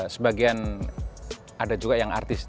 sebagian ada juga yang artis